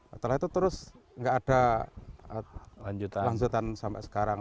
setelah itu terus nggak ada lanjutan sampai sekarang